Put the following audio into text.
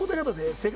正解！